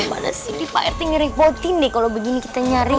gimana sih nih pak rt ngerepotin deh kalo begini kita nyari